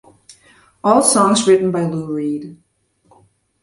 All songs written by Lou Reed.